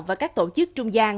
và các tổ chức trung gian